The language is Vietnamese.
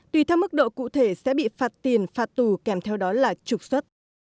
tùy theo mức độ cụ thể sẽ bị phạt tiền phạt tù kèm theo đó là trục xuất